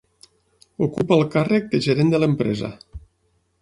Ocupa el càrrec de gerent de l'empresa.